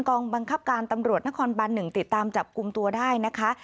กองบังคับการตำรวจนครบัน๑ติดตามจับกลุ่มตัวได้นะคะ